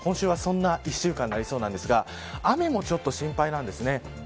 今週はそんな１週間になりそうですが雨もちょっと心配なんです。